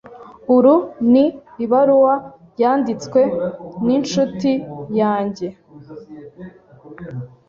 Uru ni ibaruwa yanditswe ninshuti yanjye.